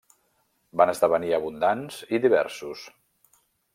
Van esdevenir abundants i diversos.